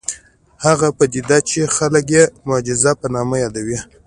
هغه پدیده چې خلک یې د معجزې په نامه یادوي